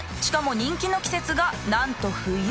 しかも人気の季節がなんと冬。